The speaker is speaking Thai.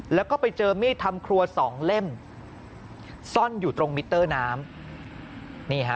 แล้วก็ไปเจอมีดทำครัวสองเล่มซ่อนอยู่ตรงมิเตอร์น้ำนี่ฮะ